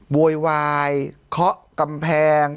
โวยวายเคาะกำแพง